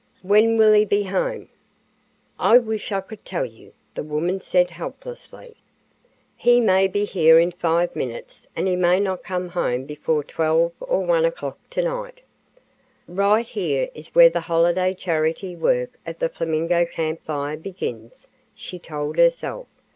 "When will he be home?" "I wish I could tell you," the woman said, helplessly. "He may be here in five minutes and he may not come before 12 or 1 o'clock tonight." "Right here is where the holiday charity work of the Flamingo Camp Fire begins," she told herself.